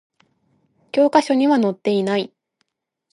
教科書には載っていない